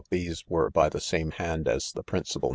these were ^by the ' same* hand as the principal